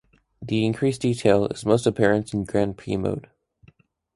The increased detail is most apparent in Grand Prix mode.